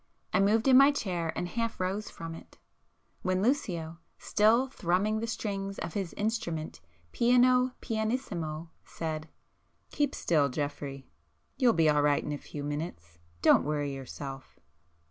I moved in my chair and half rose from it,—when Lucio, still thrumming the strings of his instrument piano pianissimo, said— "Keep still, Geoffrey! You'll be all right in a few minutes. Don't worry yourself."